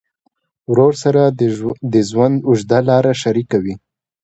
ورور سره د ژوند اوږده لار شریکه وي.